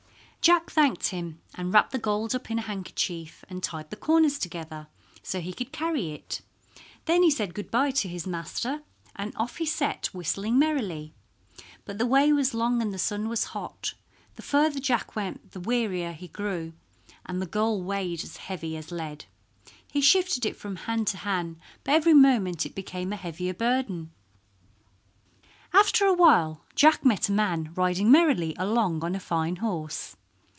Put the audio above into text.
Jack thanked him and wrapped the gold up in a handkerchief and tied the corners together, so he could carry it. Then he said good by to his master, and off he set, whistling merrily. But the way was long and the sun was hot. The further Jack went the wearier he grew, and the gold weighed as heavy as lead. He shifted it from hand to hand, but every moment it became a heavier burden. After awhile Jack met a man riding merrily along on a fine horse.